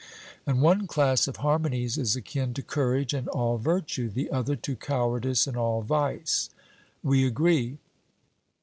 And one class of harmonies is akin to courage and all virtue, the other to cowardice and all vice. 'We agree.'